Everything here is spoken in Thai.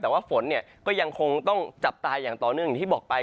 แต่ว่าฝนเนี่ยก็ยังคงต้องจับตาอย่างต่อเนื่องอย่างที่บอกไป